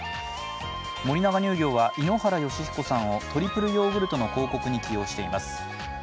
森永乳業は井ノ原快彦さんをトリプルヨーグルトの広告に起用しています。